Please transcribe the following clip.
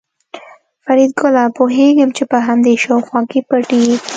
فریدګله پوهېږم چې په همدې شاوخوا کې پټ یې